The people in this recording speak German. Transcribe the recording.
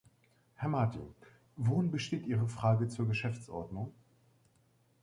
Herr Martin, worin besteht Ihre Frage zur Geschäftsordnung?